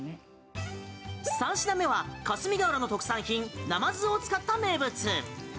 ３品目は、霞ヶ浦の特産品ナマズを使った名物。